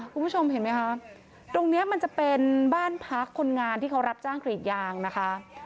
คุณผู้ชมเห็นไหมคะตรงนี้มันจะเป็นบ้านพักคนงานที่เขารับจ้างกรีดยางนะคะ